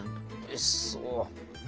おいしそう。